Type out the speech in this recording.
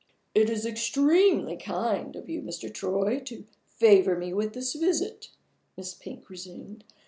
"It is extremely kind of you, Mr. Troy, to favor me with this visit," Miss Pink resumed.